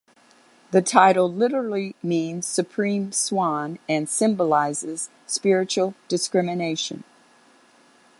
The title literally means "supreme swan," and symbolizes spiritual discrimination.